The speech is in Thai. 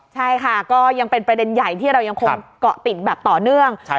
ใช่ค่ะก็ยังเป็นประเด็นใหญ่ที่เรายังคงเกาะติดแบบต่อเนื่อง